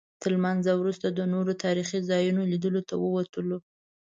تر لمانځه وروسته د نورو تاریخي ځایونو لیدلو ته ووتلو.